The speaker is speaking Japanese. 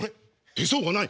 手相がない。